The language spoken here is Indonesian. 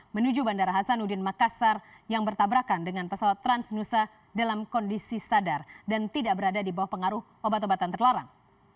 menuju bandara hasanuddin makassar yang bertabrakan dengan pesawat transnusa dalam kondisi sadar dan tidak berada di bawah pengaruh obat obatan terlarang